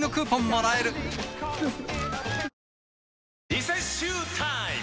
リセッシュータイム！